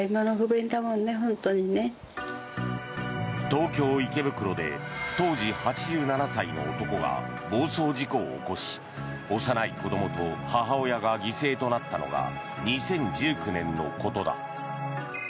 東京・池袋で当時８７歳の男が暴走事故を起こし幼い子どもと母親が犠牲となったのが２０１９年のことだ。